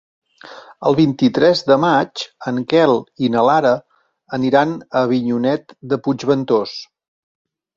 El vint-i-tres de maig en Quel i na Lara aniran a Avinyonet de Puigventós.